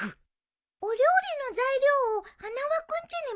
お料理の材料を花輪君ちに持っていくってこと？